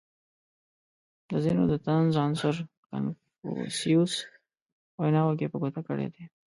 • ځینو د طنز عنصر په کنفوسیوس ویناوو کې په ګوته کړی دی.